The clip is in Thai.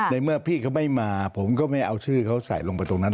ในเมื่อพี่เขาไม่มาผมก็ไม่เอาชื่อเขาใส่ลงไปตรงนั้น